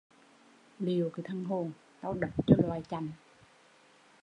Liệu cái thần hồn! tau đập cho lòi chành!